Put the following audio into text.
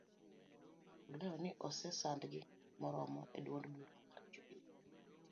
Olero ni ose sandgi moromo eduond bura mar jubilee